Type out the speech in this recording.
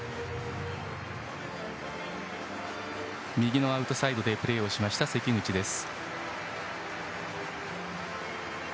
右のアウトサイドでプレーしました関口です。